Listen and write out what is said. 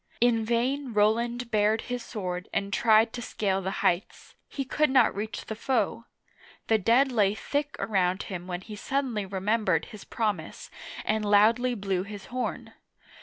In vain Roland bared his sword and tried to scale the heights ; he could not reach the foe ! The dead lay thick around him when he suddenly remembered his promise and loudly blew his horn.